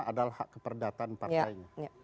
adalah hak keperdatan partainya